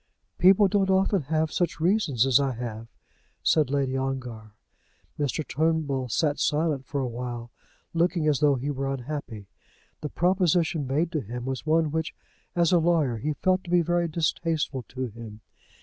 "People don't often have such reasons as I have," said Lady Ongar. Mr. Turnbull sat silent for a while, looking as though he were unhappy. The proposition made to him was one which, as a lawyer, he felt to be very distasteful to him.